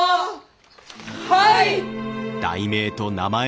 はい！